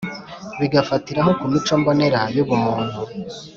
bigafatiraho ku mico mbonera yubumuntu